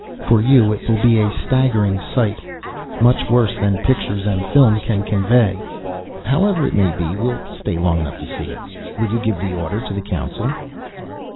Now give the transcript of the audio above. For you it will be a staggering sight, much worse than pictures and film can convey." "However it may be, we'll stay long enough to see it. Will you give the order to the Council?"